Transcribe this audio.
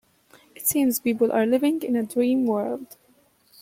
It seems people are living in a dream world.